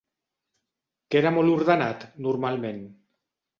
Que era molt ordenat, normalment?